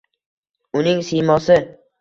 Uning siymosi